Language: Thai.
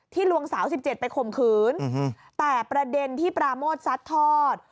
ลวงสาว๑๗ไปข่มขืนแต่ประเด็นที่ปราโมทซัดทอด